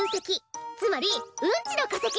つまりうんちのかせき！